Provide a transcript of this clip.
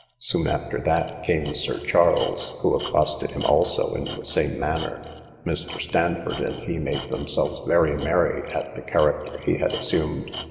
Soon after that came Sir Charles, who accosted him also in the same manner. Mr. Standford and he made themselves very merry at the character he had assumed.